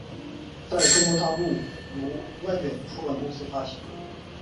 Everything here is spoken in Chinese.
在中国大陆由万卷出版公司发行。